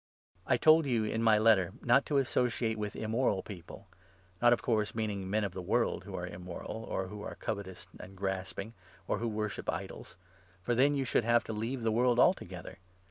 I told you, in my letter, not to associate with immoral 9 people — not, of course, meaning men of the world who are 10 immoral, or who are covetous and grasping, or who worship idols; for then you would have to leave the world altogether.